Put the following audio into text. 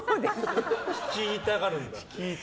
率いたがるんだ。